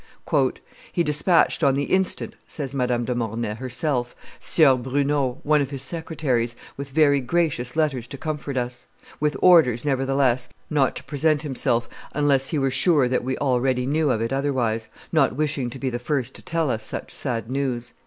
"He despatched on the instant," says Madame de Mornay herself, "Sieur Bruneau, one of his secretaries, with very gracious letters to comfort us; with orders, nevertheless, not to present himself unless he were sure that we already knew of it otherwise, not wishing to be the first to tell us such sad news."